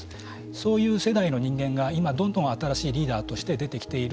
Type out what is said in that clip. そういう世代の人間が今、どんどん新しいリーダーとして出てきている